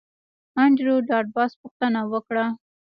انډریو ډاټ باس پوښتنه وکړه